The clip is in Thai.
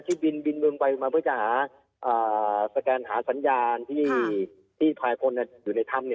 ที่บินบินเมืองไปมาเพื่อจะหาสัญญาณที่ภายคนอยู่ในธรรม